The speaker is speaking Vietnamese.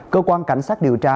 cơ quan cảnh sát điều tra